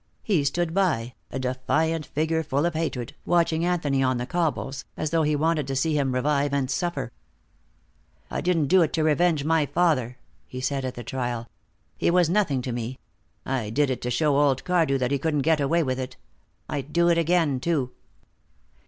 He stood by, a defiant figure full of hatred, watching Anthony on the cobbles, as though he wanted to see him revive and suffer. "I didn't do it to revenge my father," he said at the trial. "He was nothing to me I did it to show old Cardew that he couldn't get away with it. I'd do it again, too."